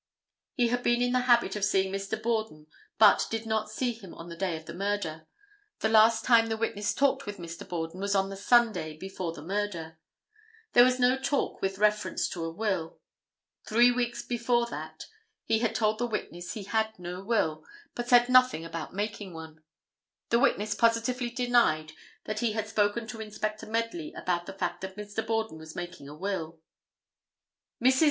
He had been in the habit of seeing Mr. Borden, but did not see him on the day of the murder. The last time the witness talked with Mr. Borden was on the Sunday before the murder. There was no talk with reference to a will. Three weeks before that he had told the witness he had no will, but said nothing about making one. The witness positively denied that he had spoken to Inspector Medley about the fact that Mr. Borden was making a will. Mrs.